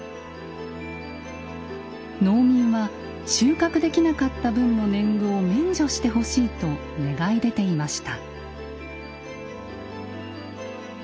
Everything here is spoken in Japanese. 農民は収穫できなかった分の年貢を免除してほしいと願い出ていました。